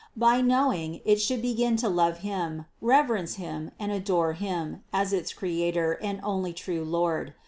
By knowing, it should begin to love Him, reverence Him and adore Him as its Creator and only true Lord.